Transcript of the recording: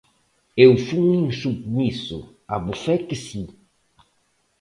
Eu fun insubmiso, abofé que si.